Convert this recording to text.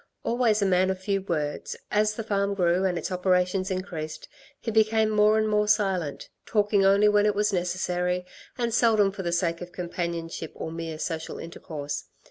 Always a man of few words, as the farm grew and its operations increased, he became more and more silent, talking only when it was necessary and seldom for the sake of companionship or mere social intercourse.